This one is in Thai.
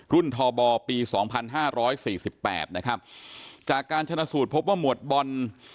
รุ่นทอบอลปี๒๕๔๘นะครับจากการชนะสูตรพบว่าหมวดบอล